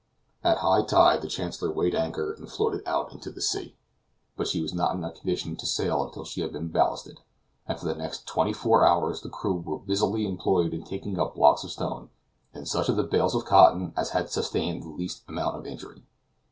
At high tide the Chancellor weighed anchor and floated out into the sea, but she was not in a condition to sail until she had been ballasted; and for the next twenty four hours the crew were busily employed in taking up blocks of stone, and such of the bales of cotton as had sustained the least amount of injury.